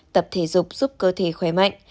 tập thể dục giúp cơ thể khỏe mạnh